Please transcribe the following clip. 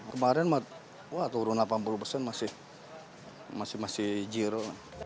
kemarin wah turun delapan puluh persen masih zero